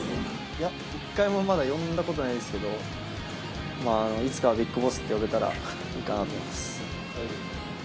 一回もまだ呼んだことないですけど、いつかはビッグボスって呼べたらいいかなと思います。